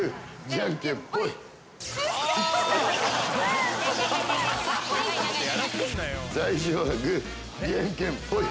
じゃんけんポイ！